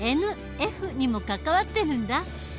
「ＮＦ」にも関わってるんだ。